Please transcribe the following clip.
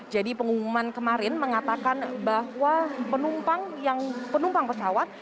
jadi pengumuman kemarin mengatakan bahwa penumpang pesawat